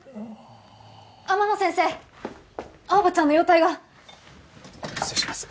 天野先生青葉ちゃんの容体が失礼します